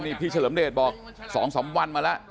นี่พี่เฉลิมเดชบอก๒๓วันมาแล้ว